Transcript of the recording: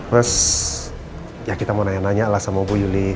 terus ya kita mau nanya nanya alas sama bu yuli